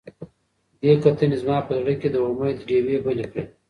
دې کتنې زما په زړه کې د امید ډیوې بلې کړې.